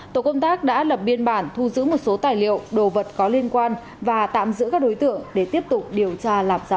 tổ công tác đã lập biên bản thu giữ một số tài liệu đồ vật có liên quan và tạm giữ các đối tượng để tiếp tục điều tra làm rõ